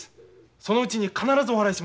そのうちに必ずお払いしますから。